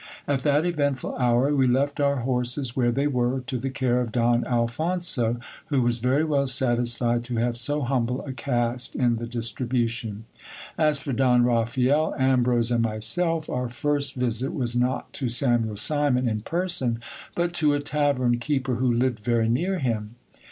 At that eventful hour, we left our horses where they were, to the care of Don Alphonso, who was very well satisfied to have so humble a cast in the distribu tion. As for Don Raphael, Ambrose, and myself, our first visit was not to Samuel Simon in person, but to a tavern keeper who lived very near him.